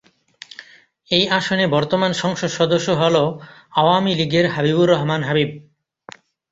এই আসনে বর্তমান সংসদ সদস্য হলো আওয়ামী লীগের হাবিবুর রহমান হাবিব।